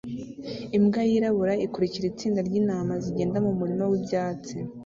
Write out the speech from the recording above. Imbwa yirabura ikurikira itsinda ryintama zigenda mumurima wibyatsi